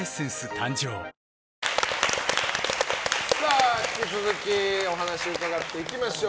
誕生引き続きお話を伺っていきましょう。